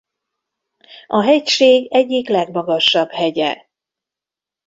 A hegység egyik legmagasabb hegye.